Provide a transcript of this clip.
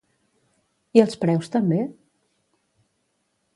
I els preus també?